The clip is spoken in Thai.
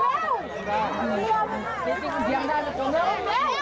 เร็ว